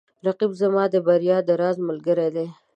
رقیب زما د بریا د راز ملګری دی